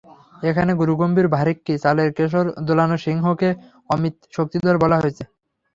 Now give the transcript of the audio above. এখানে গুরুগম্ভীর ভারিক্কি চালের কেশর দোলানো সিংহকে অমিত শক্তিধর বলা হয়েছে।